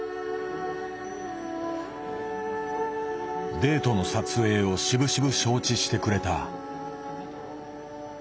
デートの撮影をしぶしぶ承知してくれた。